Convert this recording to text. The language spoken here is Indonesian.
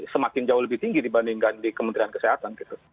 semakin jauh lebih tinggi dibandingkan di kementerian kesehatan gitu